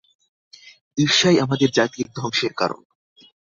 ঈর্ষাই আমাদের জাতির ধ্বংসের কারণ।